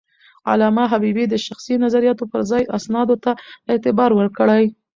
علامه حبيبي د شخصي نظریاتو پر ځای اسنادو ته اعتبار ورکړی.